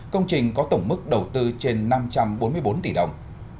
công trình có tổng mức đầu tư trên năm trăm bốn mươi bốn tỷ đồng